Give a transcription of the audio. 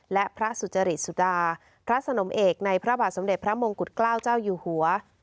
และพระสุจริตสุดาพระสนมเอกในพระบาทสมเด็จพระมงกุฎเกล้าเจ้าอยู่หัว